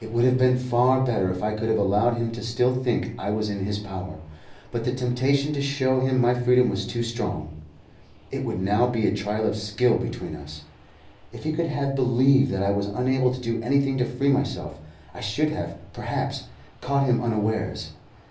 It would have been far better if I could have allowed him still to think I was in his power, but the temptation to show him my freedom was too strong. It would now be a trial of skill between us. If he could have believed that I was unable to do anything to free myself, I should have, perhaps, caught him unawares.